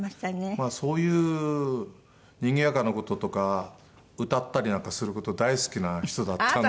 まあそういうにぎやかな事とか歌ったりなんかする事大好きな人だったので。